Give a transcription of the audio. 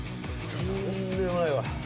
とんでもないわ。